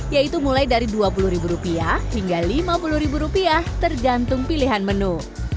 yaitu mulai dari dua puluh rupiah hingga lima puluh rupiah tergantung pilihan menu